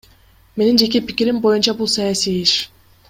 Менин жеке пикирим боюнча, бул саясий иш.